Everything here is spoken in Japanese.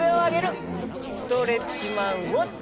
ストレッチマンウォッチ。